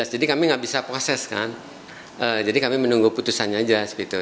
jadi kami nggak bisa proseskan jadi kami menunggu putusannya aja sebegitu